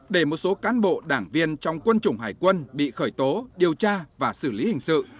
để một số cán bộ đảng viên trong quân chủng hải quân bị khởi tố điều tra và xử lý hình sự